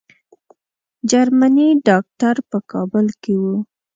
جرمني ډاکټر په کابل کې وو.